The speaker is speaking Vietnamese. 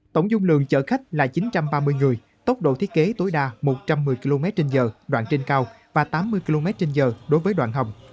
tổng dung lượng chở khách là chín trăm ba mươi người tốc độ thiết kế tối đa một trăm một mươi kmh đoạn trên cao và tám mươi kmh đối với đoạn hồng